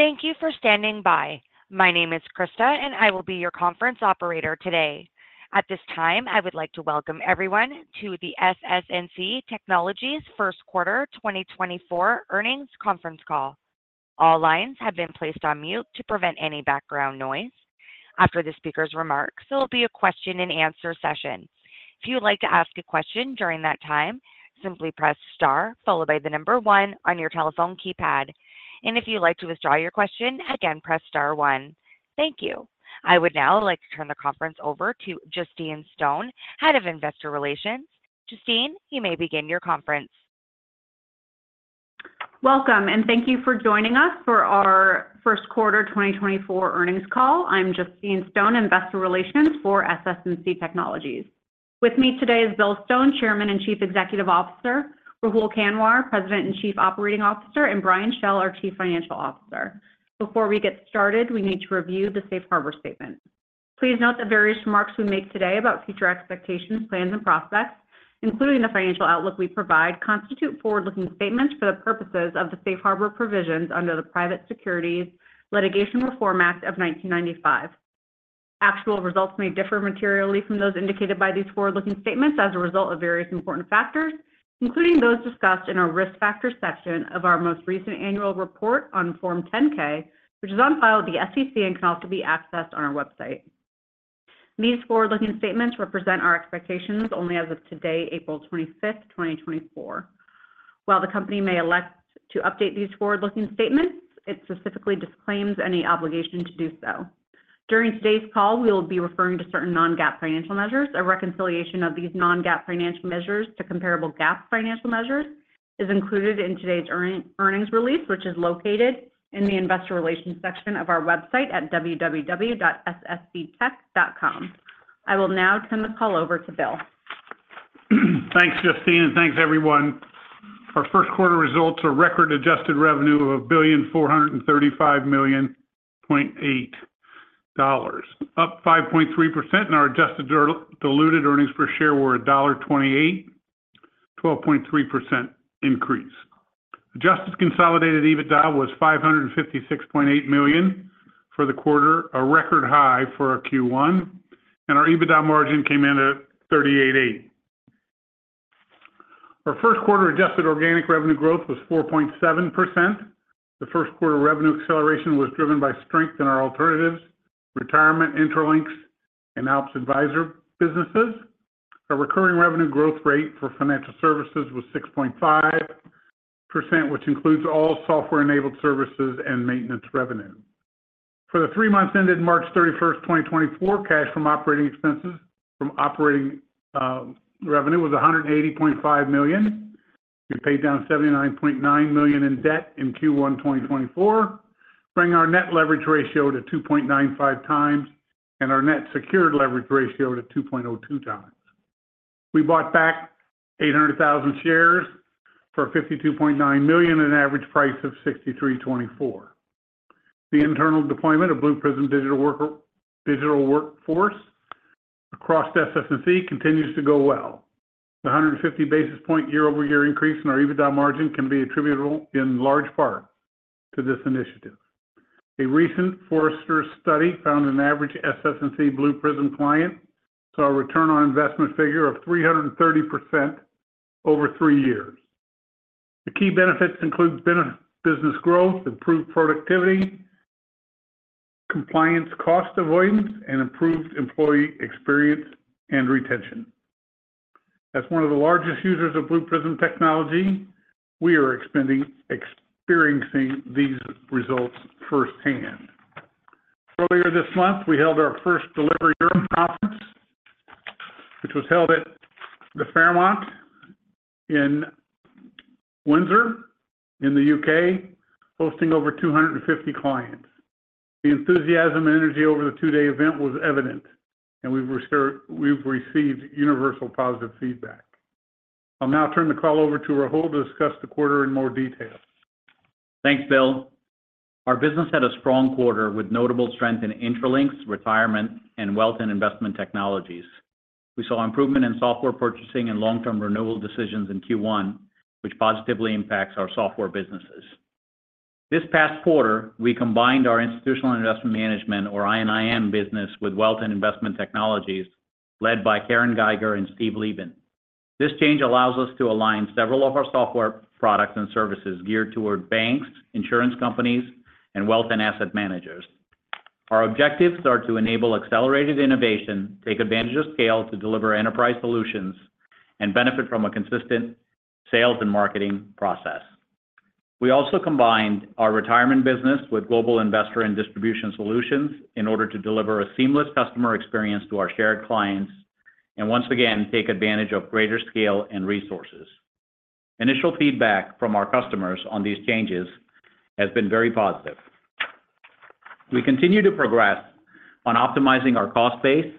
Thank you for standing by. My name is Krista, and I will be your conference operator today. At this time, I would like to welcome everyone to the SS&C Technologies First Quarter 2024 Earnings Conference Call. All lines have been placed on mute to prevent any background noise. After the speaker's remarks, there will be a question-and-answer session. If you would like to ask a question during that time, simply press star followed by the number one on your telephone keypad. And if you'd like to withdraw your question, again, press star one. Thank you. I would now like to turn the conference over to Justine Stone, Head of Investor Relations. Justine, you may begin your conference. Welcome, and thank you for joining us for our first quarter 2024 earnings call. I'm Justine Stone, Investor Relations for SS&C Technologies. With me today is Bill Stone, Chairman and Chief Executive Officer, Rahul Kanwar, President and Chief Operating Officer, and Brian Schell, our Chief Financial Officer. Before we get started, we need to review the Safe Harbor statement. Please note that various remarks we make today about future expectations, plans, and prospects, including the financial outlook we provide, constitute forward-looking statements for the purposes of the Safe Harbor Provisions under the Private Securities Litigation Reform Act of 1995. Actual results may differ materially from those indicated by these forward-looking statements as a result of various important factors, including those discussed in our Risk Factors section of our most recent annual report on Form 10-K, which is on file with the SEC and can also be accessed on our website. These forward-looking statements represent our expectations only as of today, April 25th, 2024. While the company may elect to update these forward-looking statements, it specifically disclaims any obligation to do so. During today's call, we will be referring to certain non-GAAP financial measures. A reconciliation of these non-GAAP financial measures to comparable GAAP financial measures is included in today's earnings release, which is located in the investor relations section of our website at www.ssctech.com. I will now turn the call over to Bill. Thanks, Justine, and thanks, everyone. Our first quarter results are record adjusted revenue of $1,435,800,000, up 5.3%, and our adjusted diluted earnings per share were $1.28, 12.3% increase. Adjusted consolidated EBITDA was $556.8 million for the quarter, a record high for our Q1, and our EBITDA margin came in at 38.8%. Our first quarter adjusted organic revenue growth was 4.7%. The first quarter revenue acceleration was driven by strength in our alternatives, retirement, Intralinks, and ALPS Advisors businesses. Our recurring revenue growth rate for Financial Services was 6.5%, which includes all software-enabled services and maintenance revenue. For the three months ended March 31, 2024, cash from operating expenses from operating revenue was $180.5 million. We paid down $79.9 million in debt in Q1 2024, bringing our net leverage ratio to 2.95 times and our net secured leverage ratio to 2.02 times. We bought back 800,000 shares for $52.9 million at an average price of $63.24. The internal deployment of Blue Prism digital workforce across SS&C continues to go well. The 150 basis point year-over-year increase in our EBITDA margin can be attributable in large part to this initiative. A recent Forrester study found an average SS&C Blue Prism client, so our return on investment figure of 330% over three years. The key benefits include business growth, improved productivity, compliance, cost avoidance, and improved employee experience and retention. As one of the largest users of Blue Prism technology, we are experiencing these results firsthand. Earlier this month, we held our first delivery, which was held at the Fairmont in Windsor, in the U.K., hosting over 250 clients. The enthusiasm and energy over the two-day event was evident, and we've received universal positive feedback. I'll now turn the call over to Rahul to discuss the quarter in more detail. Thanks, Bill. Our business had a strong quarter with notable strength in Intralinks, retirement, and Wealth and Investment Technologies. We saw improvement in software purchasing and long-term renewal decisions in Q1, which positively impacts our software businesses. This past quarter, we combined our Institutional and Investment Management, or I&IM, business with Wealth and Investment Technologies, led by Karen Geiger and Steve Leivent. This change allows us to align several of our software products and services geared toward banks, insurance companies, and wealth and asset managers. Our objectives are to enable accelerated innovation, take advantage of scale to deliver enterprise solutions, and benefit from a consistent sales and marketing process. We also combined our retirement business with Global Investor and Distribution Solutions in order to deliver a seamless customer experience to our shared clients, and once again, take advantage of greater scale and resources. Initial feedback from our customers on these changes has been very positive. We continue to progress on optimizing our cost base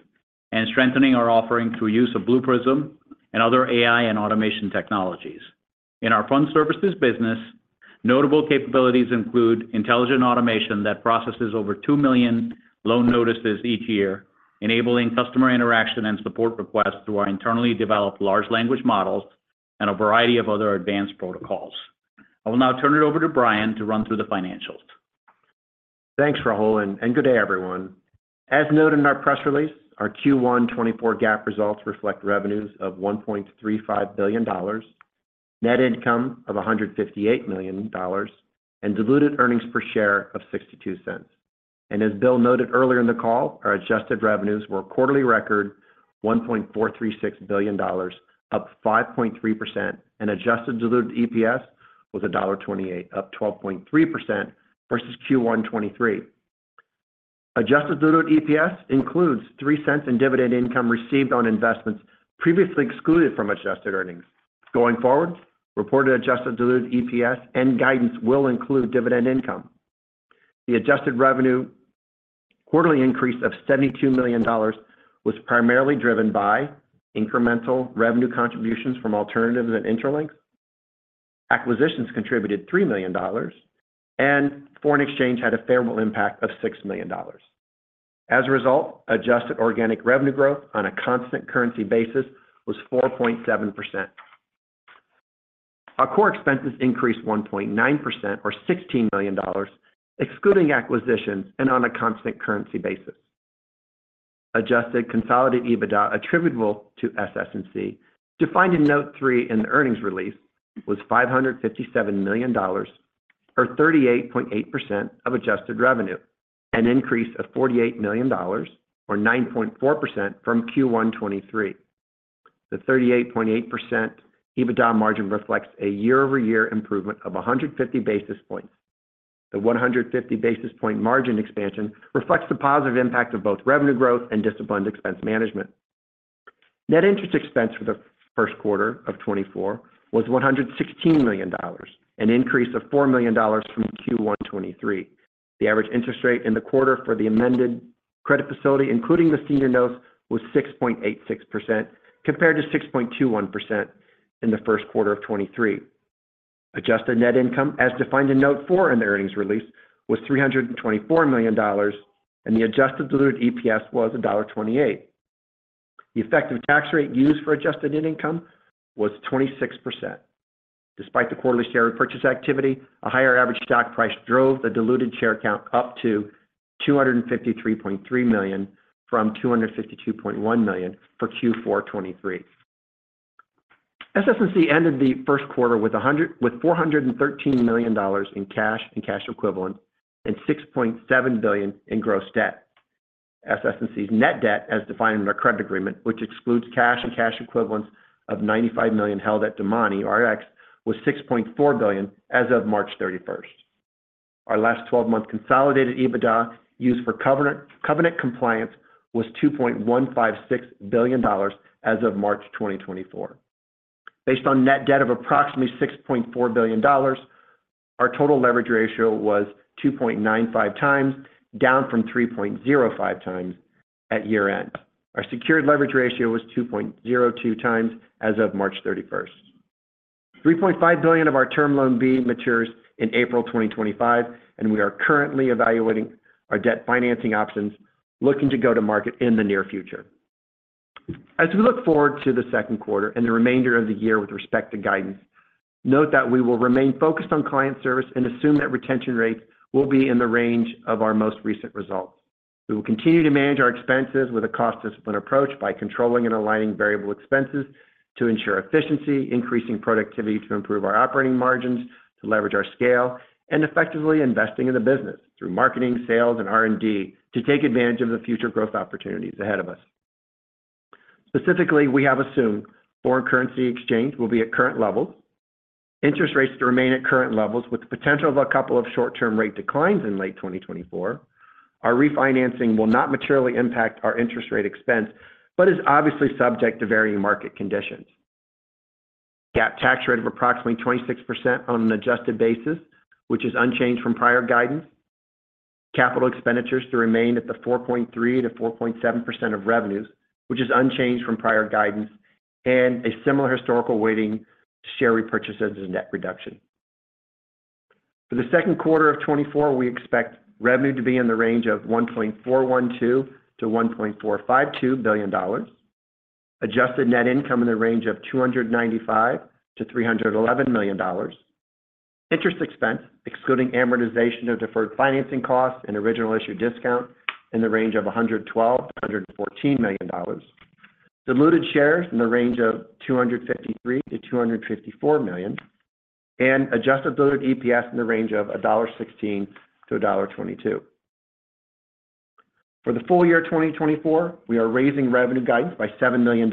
and strengthening our offering through use of Blue Prism and other AI and automation technologies. In our fund services business, notable capabilities include intelligent automation that processes over 2 million loan notices each year, enabling customer interaction and support requests through our internally developed large language models... and a variety of other advanced protocols. I will now turn it over to Brian to run through the financials. Thanks, Rahul, and good day, everyone. As noted in our press release, our Q1 2024 GAAP results reflect revenues of $1.35 billion, net income of $158 million, and diluted earnings per share of $0.62. As Bill noted earlier in the call, our adjusted revenues were a quarterly record, $1.436 billion, up 5.3%, and adjusted diluted EPS was $1.28, up 12.3% versus Q1 2023. Adjusted diluted EPS includes $0.03 in dividend income received on investments previously excluded from adjusted earnings. Going forward, reported adjusted diluted EPS and guidance will include dividend income. The adjusted revenue quarterly increase of $72 million was primarily driven by incremental revenue contributions from alternatives and Intralinks. Acquisitions contributed $3 million, and foreign exchange had a favorable impact of $6 million. As a result, adjusted organic revenue growth on a constant currency basis was 4.7%. Our core expenses increased 1.9% or $16 million, excluding acquisitions and on a constant currency basis. Adjusted consolidated EBITDA attributable to SS&C, defined in note three in the earnings release, was $557 million, or 38.8% of adjusted revenue, an increase of $48 million or 9.4% from Q1 2023. The 38.8% EBITDA margin reflects a year-over-year improvement of 150 basis points. The 150 basis point margin expansion reflects the positive impact of both revenue growth and disciplined expense management. Net interest expense for the first quarter of 2024 was $116 million, an increase of $4 million from Q1 2023. The average interest rate in the quarter for the amended credit facility, including the senior notes, was 6.86%, compared to 6.21% in the first quarter of 2023. Adjusted net income, as defined in note four in the earnings release, was $324 million, and the adjusted diluted EPS was $1.28. The effective tax rate used for adjusted net income was 26%. Despite the quarterly share repurchase activity, a higher average stock price drove the diluted share count up to 253.3 million from 252.1 million for Q4 2023. SS&C ended the first quarter with $413 million in cash and cash equivalents and $6.7 billion in gross debt. SS&C's net debt, as defined in our credit agreement, which excludes cash and cash equivalents of $95 million held at DomaniRx, was $6.4 billion as of March 31st. Our last twelve-month consolidated EBITDA used for covenant compliance was $2.156 billion as of March 2024. Based on net debt of approximately $6.4 billion, our total leverage ratio was 2.95 times, down from 3.05 times at year-end. Our secured leverage ratio was 2.02 times as of March 31st. $3.5 billion of our Term Loan B matures in April 2025, and we are currently evaluating our debt financing options, looking to go to market in the near future. As we look forward to the second quarter and the remainder of the year with respect to guidance, note that we will remain focused on client service and assume that retention rates will be in the range of our most recent results. We will continue to manage our expenses with a cost discipline approach by controlling and aligning variable expenses to ensure efficiency, increasing productivity to improve our operating margins, to leverage our scale, and effectively investing in the business through marketing, sales, and R&D to take advantage of the future growth opportunities ahead of us. Specifically, we have assumed foreign currency exchange will be at current levels, interest rates to remain at current levels with the potential of a couple of short-term rate declines in late 2024. Our refinancing will not materially impact our interest rate expense, but is obviously subject to varying market conditions. GAAP tax rate of approximately 26% on an adjusted basis, which is unchanged from prior guidance. Capital expenditures to remain at the 4.3%-4.7% of revenues, which is unchanged from prior guidance, and a similar historical weighting to share repurchases and debt reduction. For the second quarter of 2024, we expect revenue to be in the range of $1.412 billion-$1.452 billion. Adjusted net income in the range of $295 million-$311 million. Interest expense, excluding amortization of deferred financing costs and original issue discount, in the range of $112 million-$114 million. Diluted shares in the range of 253 million-254 million, and Adjusted diluted EPS in the range of $1.16-$1.22. For the full-year 2024, we are raising revenue guidance by $7 million,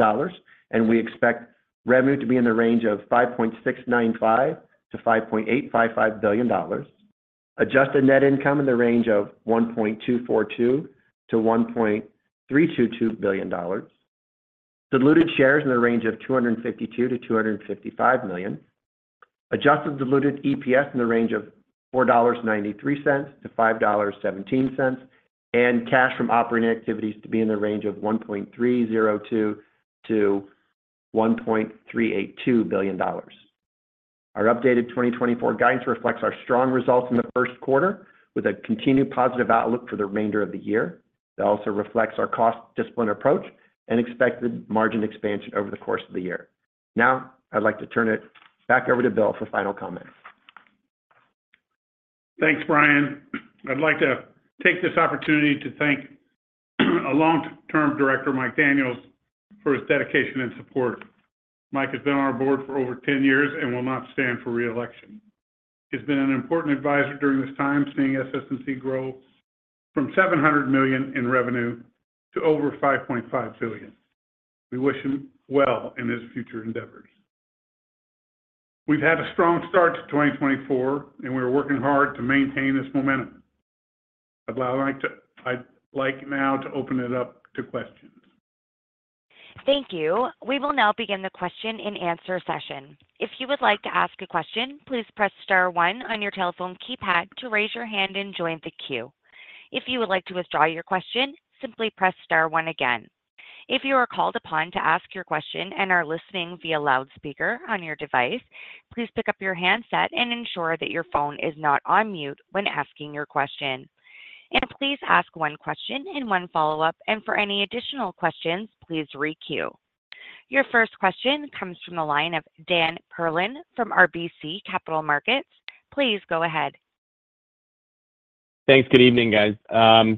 and we expect revenue to be in the range of $5.695 billion-$5.855 billion. Adjusted net income in the range of $1.242 billion-$1.322 billion. Diluted shares in the range of 252 million-255 million. Adjusted Diluted EPS in the range of $4.93-$5.17, and cash from operating activities to be in the range of $1.302 billion-$1.382 billion. Our updated 2024 guidance reflects our strong results in the first quarter, with a continued positive outlook for the remainder of the year. That also reflects our cost discipline approach and expected margin expansion over the course of the year. Now, I'd like to turn it back over to Bill for final comments. Thanks, Brian. I'd like to take this opportunity to thank a long-term director, Mike Daniels, for his dedication and support. Mike has been on our Board for over 10 years and will not stand for reelection. He's been an important advisor during this time, seeing SS&C grow from $700 million in revenue to over $5.5 billion. We wish him well in his future endeavors. We've had a strong start to 2024, and we're working hard to maintain this momentum. I'd like now to open it up to questions. Thank you. We will now begin the question-and-answer session. If you would like to ask a question, please press star one on your telephone keypad to raise your hand and join the queue. If you would like to withdraw your question, simply press star one again. If you are called upon to ask your question and are listening via loudspeaker on your device, please pick up your handset and ensure that your phone is not on mute when asking your question. And please ask one question and one follow-up, and for any additional questions, please re-queue. Your first question comes from the line of Dan Perlin from RBC Capital Markets. Please go ahead. Thanks. Good evening, guys.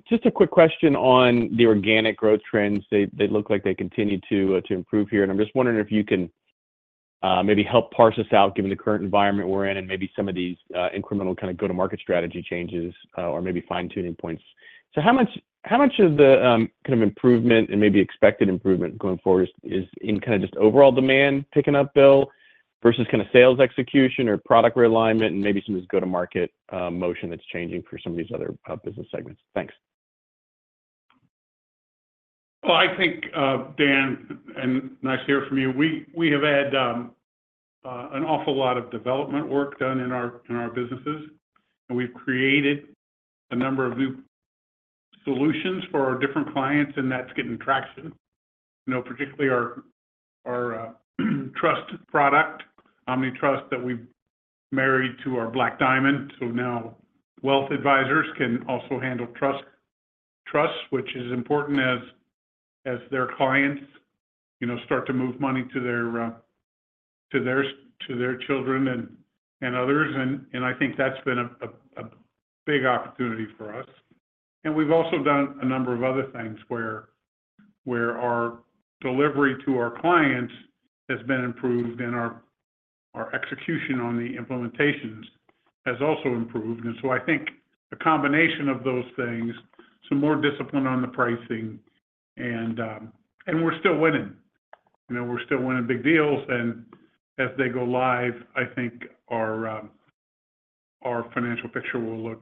Just a quick question on the organic growth trends. They, they look like they continue to improve here, and I'm just wondering if you can maybe help parse this out, given the current environment we're in and maybe some of these incremental kind of go-to-market strategy changes or maybe fine-tuning points. So how much of the kind of improvement and maybe expected improvement going forward is in kind of just overall demand picking up, Bill, versus kind of sales execution or product realignment and maybe some of this go-to-market motion that's changing for some of these other business segments? Thanks. Well, I think, Dan, and nice to hear from you, we, we have had an awful lot of development work done in our, in our businesses, and we've created a number of new solutions for our different clients, and that's getting traction. You know, particularly our, our trust product, OmniTrust, that we married to our Black Diamond. So now wealth advisors can also handle trust, trusts, which is important as, as their clients, you know, start to move money to their, to theirs- to their children and, and others, and, and I think that's been a big opportunity for us. And we've also done a number of other things where, where our delivery to our clients has been improved and our, our execution on the implementations has also improved. And so I think a combination of those things, some more discipline on the pricing, and we're still winning. You know, we're still winning big deals, and as they go live, I think our financial picture will look,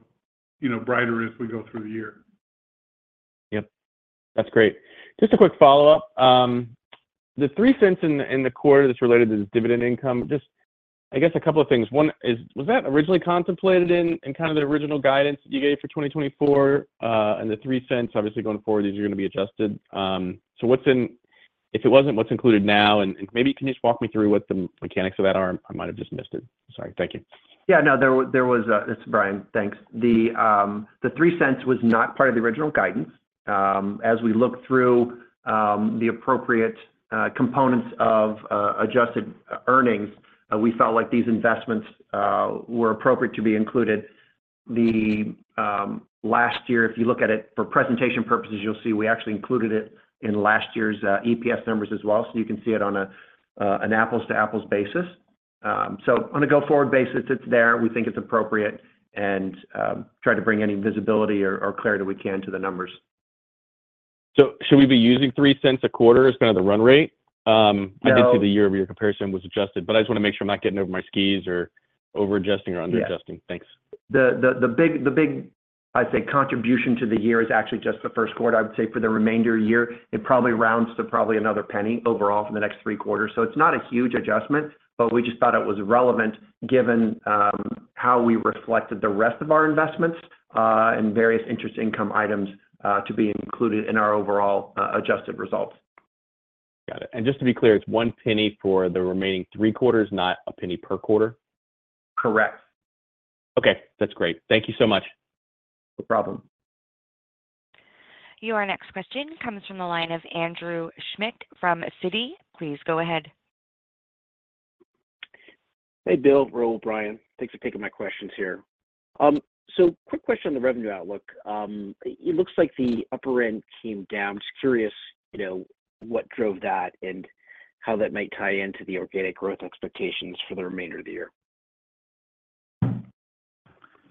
you know, brighter as we go through the year. Yep. That's great. Just a quick follow-up. The $0.03 in the quarter that's related to this dividend income, just, I guess, a couple of things. One, was that originally contemplated in kind of the original guidance you gave for 2024? And the $0.03, obviously, going forward, these are going to be adjusted. So if it wasn't, what's included now? And maybe you can just walk me through what the mechanics of that are. I might have just missed it. Sorry. Thank you. Yeah. No. This is Brian. Thanks. The $0.03 was not part of the original guidance. As we look through the appropriate components of adjusted earnings, we felt like these investments were appropriate to be included. The last year, if you look at it for presentation purposes, you'll see we actually included it in last year's EPS numbers as well. So you can see it on an apples-to-apples basis. So on a go-forward basis, it's there. We think it's appropriate and try to bring any visibility or clarity we can to the numbers. Should we be using $0.03 a quarter as kind of the run rate? No. I did see the year-over-year comparison was adjusted, but I just want to make sure I'm not getting over my skis or over-adjusting or under-adjusting. Yeah. Thanks. The big, I'd say, contribution to the year is actually just the first quarter. I would say for the remainder year, it probably rounds to probably another $0.01 overall for the next three quarters. So it's not a huge adjustment, but we just thought it was relevant, given how we reflected the rest of our investments, and various interest income items, to be included in our overall, adjusted results. Got it. And just to be clear, it's $0.01 for the remaining three quarters, not $0.01 per quarter? Correct. Okay, that's great. Thank you so much. No problem. Your next question comes from the line of Andrew Schmidt from Citi. Please go ahead. Hey, Bill, Rahul, Brian, thanks for taking my questions here. So quick question on the revenue outlook. It looks like the upper end came down. Just curious, you know, what drove that and how that might tie into the organic growth expectations for the remainder of the year?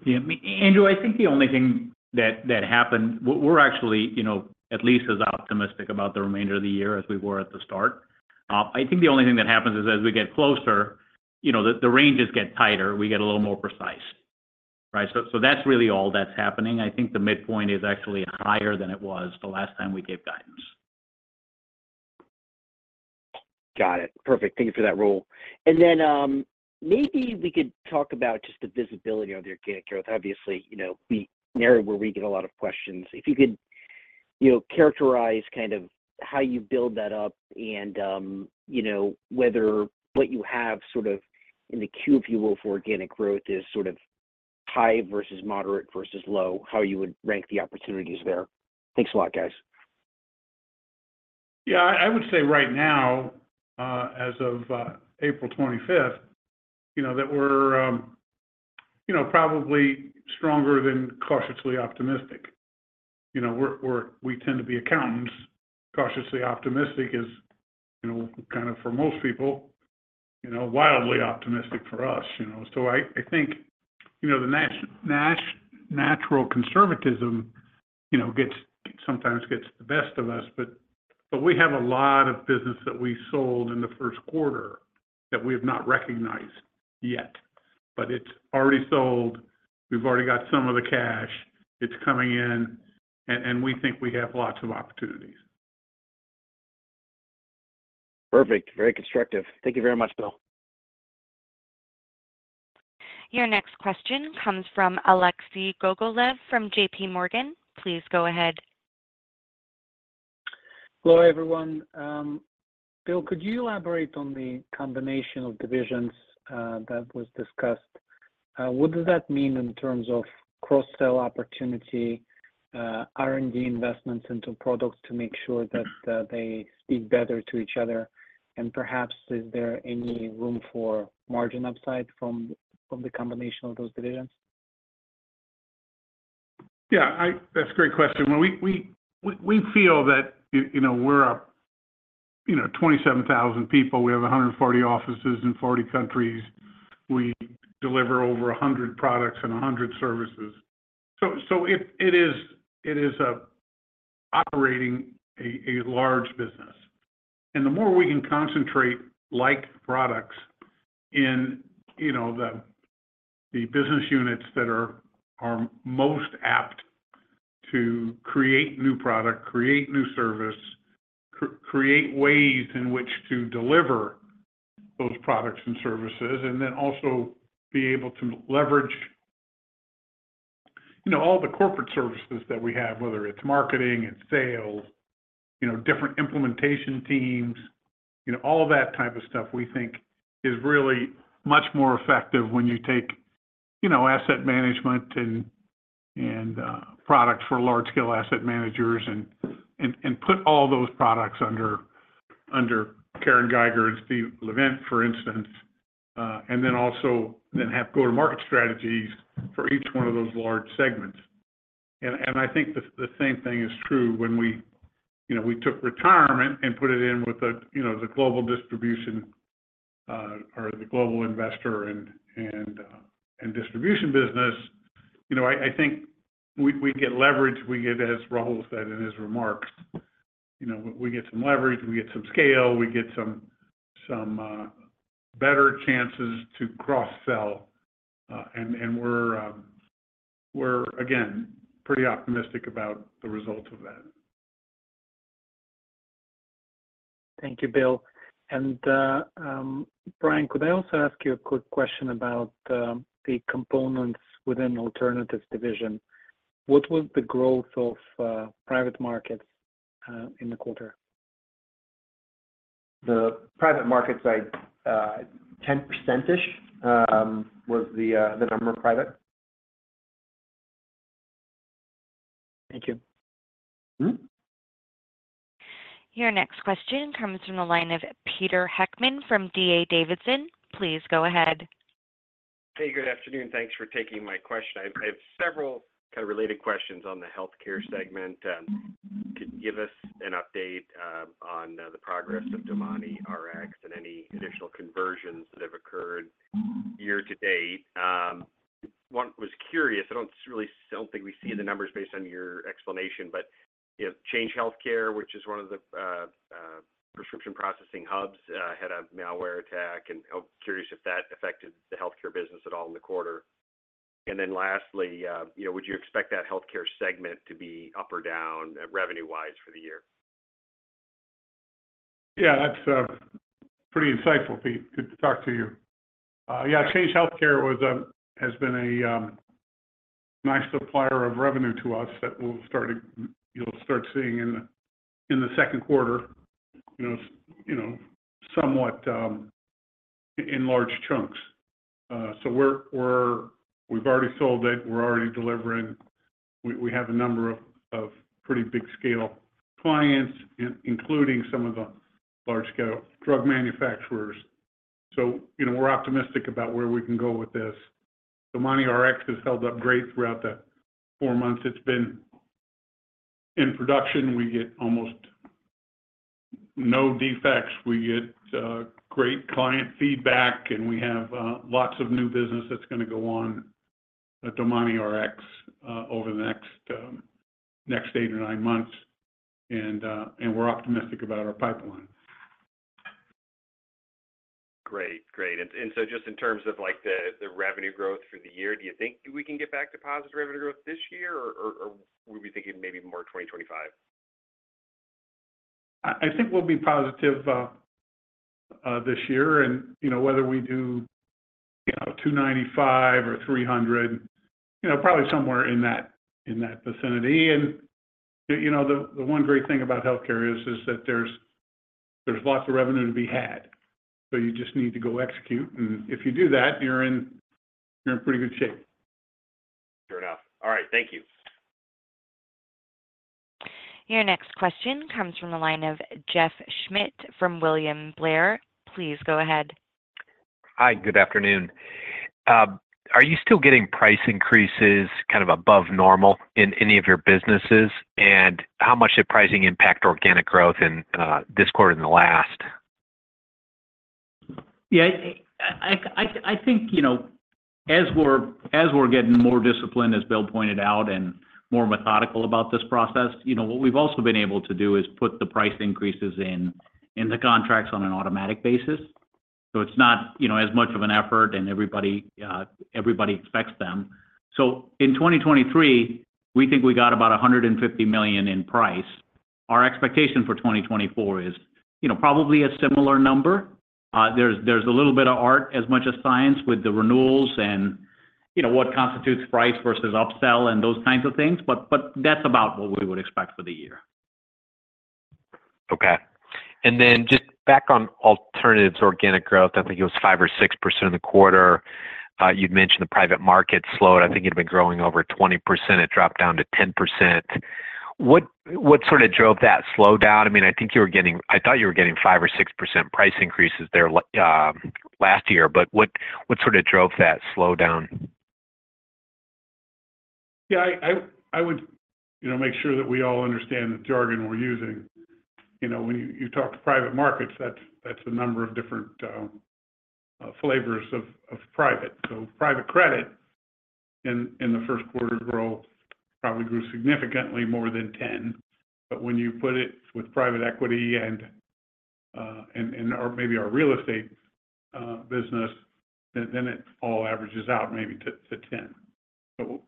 Yeah, Andrew, I think the only thing that happened. We're actually, you know, at least as optimistic about the remainder of the year as we were at the start. I think the only thing that happens is, as we get closer, you know, the ranges get tighter, we get a little more precise, right? So that's really all that's happening. I think the midpoint is actually higher than it was the last time we gave guidance. Got it. Perfect. Thank you for that, Rahul. And then, maybe we could talk about just the visibility of the organic growth. Obviously, you know, we narrowly, we're reading a lot of questions. If you could-... you know, characterize kind of how you build that up and, you know, whether what you have sort of in the queue, if you will, for organic growth is sort of high versus moderate versus low, how you would rank the opportunities there? Thanks a lot, guys. Yeah, I would say right now, as of April 25th, you know, that we're, you know, probably stronger than cautiously optimistic. You know, we're, we're—we tend to be accountants. Cautiously optimistic is, you know, kind of for most people, you know, wildly optimistic for us, you know. So I think, you know, the natural conservatism, you know, sometimes gets the best of us, but we have a lot of business that we sold in the first quarter that we have not recognized yet. But it's already sold. We've already got some of the cash. It's coming in, and we think we have lots of opportunities. Perfect. Very constructive. Thank you very much, Bill. Your next question comes from Alexei Gogolev from JPMorgan. Please go ahead. Hello, everyone. Bill, could you elaborate on the combination of divisions that was discussed? What does that mean in terms of cross-sell opportunity, R&D investments into products to make sure that they speak better to each other? And perhaps, is there any room for margin upside from, from the combination of those divisions? Yeah, that's a great question. Well, we feel that, you know, we're, you know, 27,000 people. We have 140 offices in 40 countries. We deliver over 100 products and 100 services. So it is operating a large business. And the more we can concentrate like products in, you know, the business units that are most apt to create new product, create new service, create ways in which to deliver those products and services, and then also be able to leverage, you know, all the corporate services that we have, whether it's marketing, it's sales, you know, different implementation teams. You know, all that type of stuff, we think is really much more effective when you take, you know, asset management and products for large-scale asset managers and put all those products under Karen Geiger and Steve Leivent, for instance. And then also then have go-to-market strategies for each one of those large segments. And I think the same thing is true when we, you know, we took retirement and put it in with the, you know, the global distribution or the global investor and distribution business. You know, I think we get leverage. We get, as Rahul said in his remarks, you know, we get some leverage, we get some scale, we get some better chances to cross-sell, and we're again pretty optimistic about the result of that. Thank you, Bill. And, Brian, could I also ask you a quick question about the components within alternatives division? What was the growth of private markets in the quarter? The private markets side, 10%-ish, was the number of private. Thank you. Mm-hmm. Your next question comes from the line of Peter Heckmann from D.A. Davidson. Please go ahead. Hey, good afternoon. Thanks for taking my question. I have several kind of related questions on the healthcare segment. Could you give us an update on the progress of DomaniRx and any additional conversions that have occurred year to date? I was curious, I don't think we see the numbers based on your explanation, but, you know, Change Healthcare, which is one of the prescription processing hubs, had a malware attack, and I was curious if that affected the healthcare business at all in the quarter. And then lastly, you know, would you expect that healthcare segment to be up or down revenue-wise for the year? Yeah, that's pretty insightful, Pete. Good to talk to you. Yeah, Change Healthcare has been a nice supplier of revenue to us that we'll start to—you'll start seeing in the second quarter, you know, somewhat in large chunks. So we're—we've already sold it. We're already delivering. We have a number of pretty big scale clients, including some of the large-scale drug manufacturers. So, you know, we're optimistic about where we can go with this. DomaniRx has held up great throughout the four months it's been in production. We get almost no defects. We get great client feedback, and we have lots of new business that's going to go on at DomaniRx over the next eight or nine months. And we're optimistic about our pipeline. Great. Great. And so just in terms of, like, the revenue growth for the year, do you think we can get back to positive revenue growth this year, or we'll be thinking maybe more 2025?... I think we'll be positive this year. And, you know, whether we do $295-$300, you know, probably somewhere in that vicinity. And, you know, the one great thing about healthcare is that there's lots of revenue to be had, so you just need to go execute. And if you do that, you're in pretty good shape. Fair enough. All right, thank you. Your next question comes from the line of Jeff Schmitt from William Blair. Please go ahead. Hi, good afternoon. Are you still getting price increases kind of above normal in any of your businesses? And how much did pricing impact organic growth in this quarter and the last? Yeah, I think, you know, as we're getting more disciplined, as Bill pointed out, and more methodical about this process, you know, what we've also been able to do is put the price increases in the contracts on an automatic basis. So it's not, you know, as much of an effort and everybody expects them. So in 2023, we think we got about $150 million in price. Our expectation for 2024 is, you know, probably a similar number. There's a little bit of art as much as science with the renewals and, you know, what constitutes price versus upsell and those kinds of things, but that's about what we would expect for the year. Okay. And then just back on alternatives organic growth, I think it was 5% or 6% in the quarter. You'd mentioned the private market slowed. I think it'd been growing over 20%, it dropped down to 10%. What sort of drove that slowdown? I mean, I think you were getting—I thought you were getting 5% or 6% price increases there last year, but what sort of drove that slowdown? Yeah, I would, you know, make sure that we all understand the jargon we're using. You know, when you talk to private markets, that's a number of different flavors of private. So private credit in the first quarter growth probably grew significantly more than 10. But when you put it with private equity and maybe our real estate business, then it all averages out maybe to 10.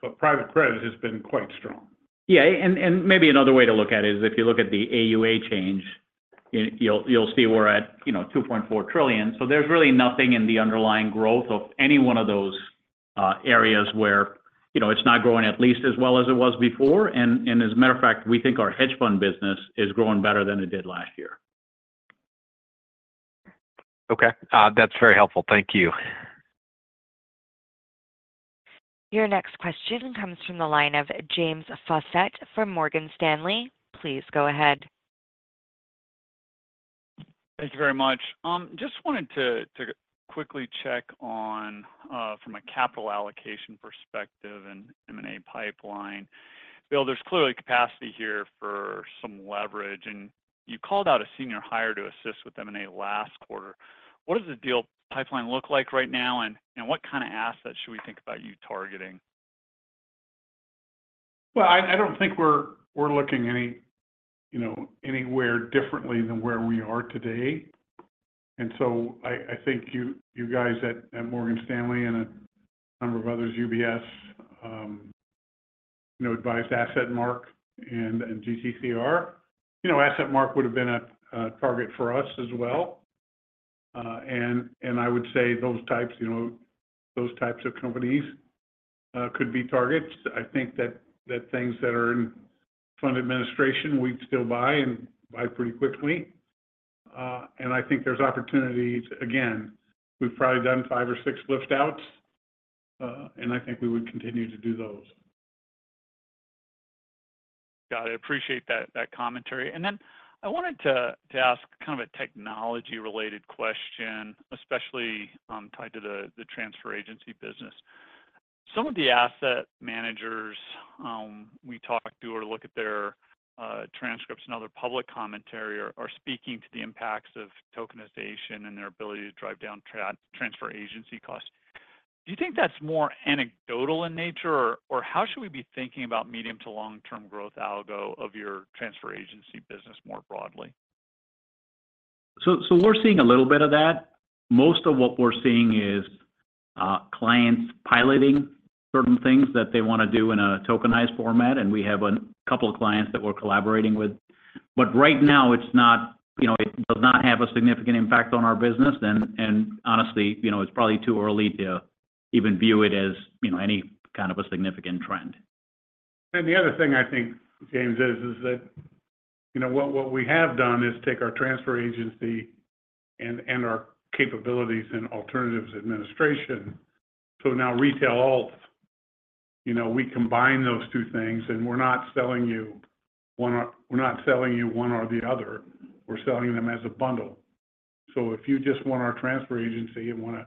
But private credit has been quite strong. Yeah, maybe another way to look at it is if you look at the AUA change, you'll see we're at, you know, $2.4 trillion. So there's really nothing in the underlying growth of any one of those areas where, you know, it's not growing at least as well as it was before. As a matter of fact, we think our hedge fund business is growing better than it did last year. Okay. That's very helpful. Thank you. Your next question comes from the line of James Faucette from Morgan Stanley. Please go ahead. Thank you very much. Just wanted to quickly check on from a capital allocation perspective and M&A pipeline. Bill, there's clearly capacity here for some leverage, and you called out a senior hire to assist with M&A last quarter. What does the deal pipeline look like right now, and what kind of assets should we think about you targeting? Well, I don't think we're looking anywhere differently than where we are today. And so I think you guys at Morgan Stanley and a number of others, UBS, you know, advised AssetMark and GTCR. You know, AssetMark would have been a target for us as well. And I would say those types, you know, those types of companies could be targets. I think that things that are in fund administration, we'd still buy and buy pretty quickly. And I think there's opportunities. Again, we've probably done five or six lift outs, and I think we would continue to do those. Got it. Appreciate that, that commentary. And then I wanted to ask kind of a technology-related question, especially tied to the transfer agency business. Some of the asset managers we talk to or look at their transcripts and other public commentary are speaking to the impacts of tokenization and their ability to drive down transfer agency costs. Do you think that's more anecdotal in nature? Or how should we be thinking about medium- to long-term growth outlook of your transfer agency business more broadly? So we're seeing a little bit of that. Most of what we're seeing is, clients piloting certain things that they wanna do in a tokenized format, and we have a couple of clients that we're collaborating with. But right now, it's not, you know, it does not have a significant impact on our business. And honestly, you know, it's probably too early to even view it as, you know, any kind of a significant trend. And the other thing I think, James, is that, you know, what we have done is take our transfer agency and our capabilities in alternatives administration. So now retail alts, you know, we combine those two things, and we're not selling you one or the other, we're selling them as a bundle. So if you just want our transfer agency and wanna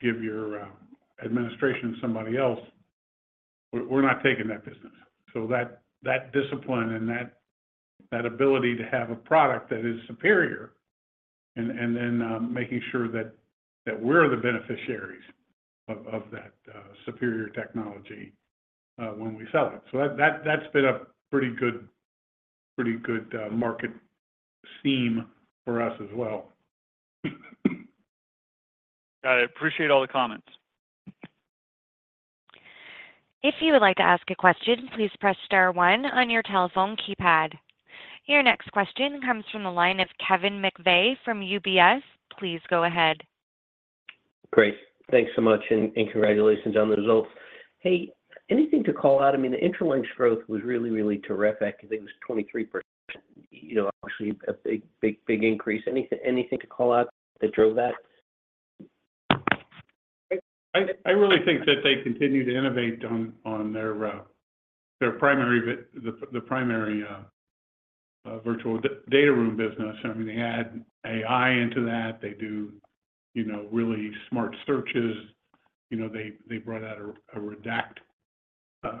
give your administration to somebody else, we're not taking that business. So that discipline and that ability to have a product that is superior, and then making sure that we're the beneficiaries of that superior technology when we sell it. So that's been a pretty good market theme for us as well. Got it. Appreciate all the comments. If you would like to ask a question, please press star one on your telephone keypad. Your next question comes from the line of Kevin McVeigh from UBS. Please go ahead. Great. Thanks so much, and congratulations on the results. Hey, anything to call out? I mean, the Intralinks growth was really, really terrific. I think it was 23%, you know, obviously a big, big, big increase. Anything to call out that drove that? I really think that they continue to innovate on their primary virtual data room business. I mean, they add AI into that. They do, you know, really smart searches. You know, they brought out a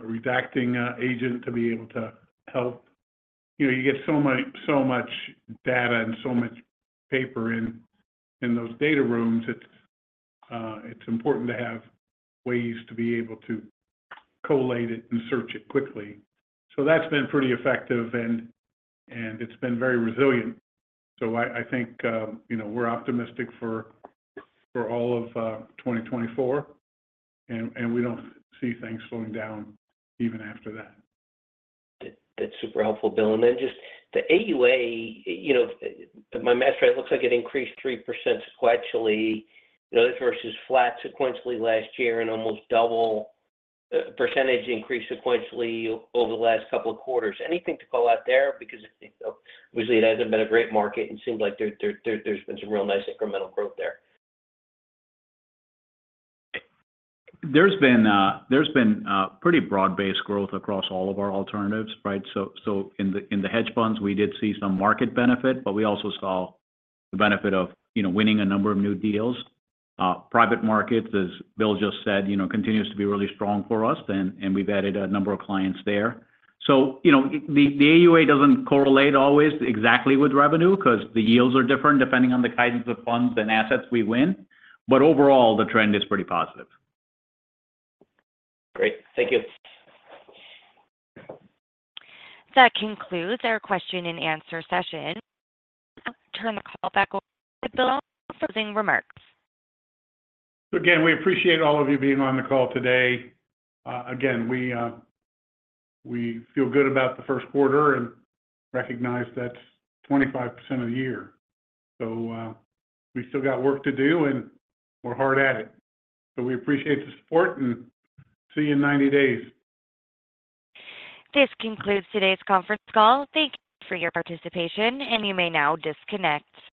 redacting agent to be able to help. You know, you get so much data and so much paper in those data rooms, it's important to have ways to be able to collate it and search it quickly. So that's been pretty effective, and it's been very resilient. So I think, you know, we're optimistic for all of 2024, and we don't see things slowing down even after that. That's super helpful, Bill. And then just the AUA, you know, my math, it looks like it increased 3% sequentially. You know, this versus flat sequentially last year and almost double the percentage increase sequentially over the last couple of quarters. Anything to call out there? Because obviously, it hasn't been a great market, and it seems like there, there's been some real nice incremental growth there. There's been, there's been, pretty broad-based growth across all of our alternatives, right? So, so in the, in the hedge funds, we did see some market benefit, but we also saw the benefit of, you know, winning a number of new deals. Private markets, as Bill just said, you know, continues to be really strong for us, and, and we've added a number of clients there. So, you know, the, the AUA doesn't correlate always exactly with revenue because the yields are different depending on the kinds of funds and assets we win. But overall, the trend is pretty positive. Great. Thank you. That concludes our question and answer session. I now turn the call back over to Bill for closing remarks. Again, we appreciate all of you being on the call today. Again, we feel good about the first quarter and recognize that's 25% of the year. So, we still got work to do, and we're hard at it. But we appreciate the support, and see you in 90 days. This concludes today's conference call. Thank you for your participation, and you may now disconnect.